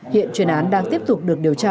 hiện chuyên án đang tiếp tục được điều tra